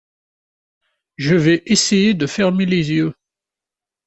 Je vais essayer de fermer les yeux.